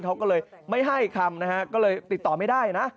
เขาก็เลยไม่ให้คำนะฮะก็เลยติดต่อไม่ได้นะ